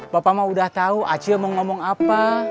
bapak mah udah tau acil mau ngomong apa